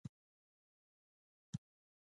ان پر دېوالونو مو یو خط هم ونه لید.